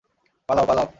পালাও, পালাও!